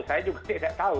saya juga tidak tahu